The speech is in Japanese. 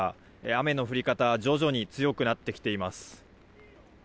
雨の降り方徐々に強くなってきています。